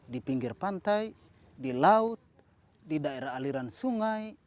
di pinggir pantai di laut di daerah aliran sungai